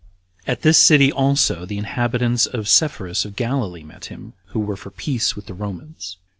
At this city also the inhabitants of Sepphoris of Galilee met him, who were for peace with the Romans.